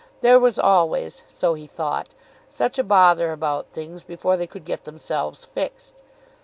There was always, so he thought, such a bother about things before they would get themselves fixed.